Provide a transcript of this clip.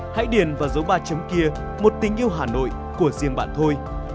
hãy điền vào dấu ba chấm kia một tình yêu hà nội của riêng bạn thôi